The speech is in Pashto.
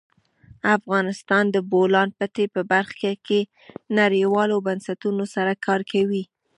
افغانستان د د بولان پټي په برخه کې نړیوالو بنسټونو سره کار کوي.